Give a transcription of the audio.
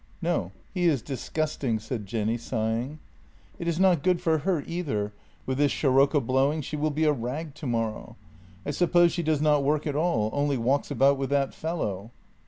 " No; he is disgusting," said Jenny, sighing. " It is not good for her either — with this sirocco blowing She will be a rag tomorrow. I suppose she does not work at all — only walks about with that fellow?"